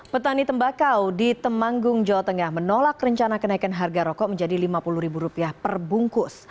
petani tembakau di temanggung jawa tengah menolak rencana kenaikan harga rokok menjadi rp lima puluh perbungkus